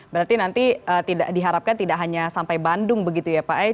berarti nanti diharapkan tidak hanya sampai bandung begitu ya pak